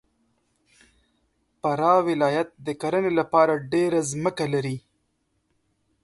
فراه ولایت د کرهنې دپاره ډېره مځکه لري.